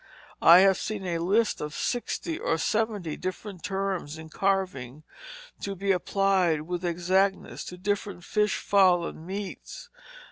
I have seen a list of sixty or seventy different terms in carving to be applied with exactness to different fish, fowl, and meats.